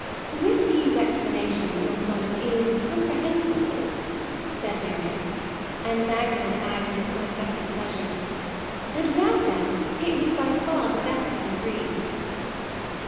" "With these explanations your, sonnet is comprehensible," said Mary: and Magdalen added with unaffected pleasure: " And without them it was by far the best of the three."